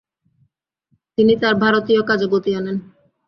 তিনি তার ভারতীয় কাজে গতি আনেন।